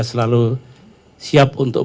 selalu siap untuk